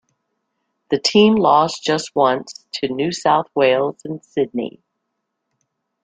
The team lost just once, to New South Wales in Sydney.